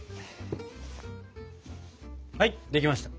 はいできました。